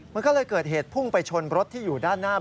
มันก็เลยเกิดเหตุพุ่งไปชนรถที่อยู่ด้านหน้า